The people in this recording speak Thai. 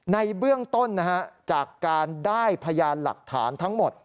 ในเบื้องต้นจากการได้พยานหลักฐานทั้งหมด